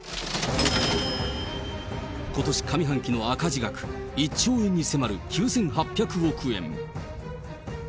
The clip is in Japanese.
ことし上半期の赤字額、１兆円に迫る９８００億円。